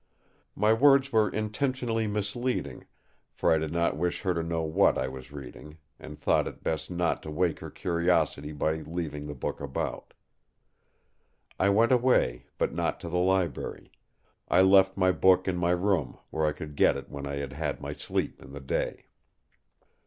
My words were intentionally misleading; for I did not wish her to know what I was reading, and thought it best not to wake her curiosity by leaving the book about. I went away, but not to the library; I left the book in my room where I could get it when I had had my sleep in the day.